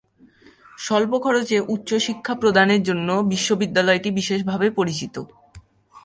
স্বল্প খরচে উচ্চশিক্ষা প্রদানের জন্য বিশ্ববিদ্যালয়টি বিশেষভাবে পরিচিত।